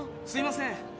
すいません。